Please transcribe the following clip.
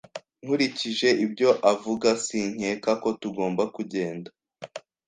Nkurikije ibyo avuga, sinkeka ko tugomba kugenda.